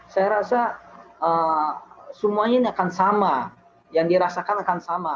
saya rasa semuanya ini akan sama yang dirasakan akan sama